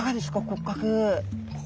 骨格。